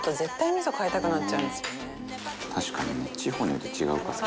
「確かにね地方によって違うからね」